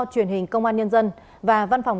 truyền hình công an nhân dân và văn phòng